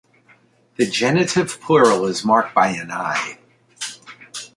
The genitive plural is marked by an "-i".